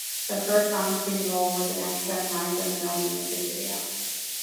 Her first on-screen role was an extra in a Liza Minnelli music video.